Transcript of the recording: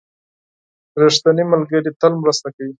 • ریښتینی ملګری تل مرسته کوي.